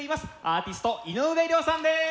アーティスト井上涼さんです。